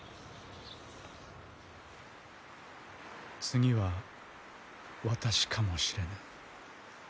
次は私かもしれぬ。